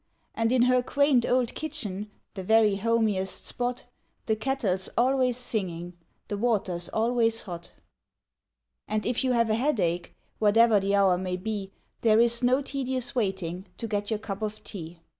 And in her quaint old kitchen The very homiest spot The kettle's always singing, The water's always hot. And if you have a headache, Whate'er the hour may be, There is no tedious waiting To get your cup of tea.